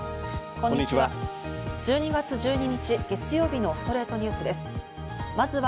こんにちは。